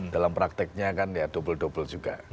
dalam prakteknya kan ya dobel dobel juga